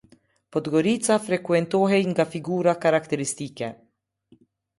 Podgorica frekuentohej nga figura karakteristike.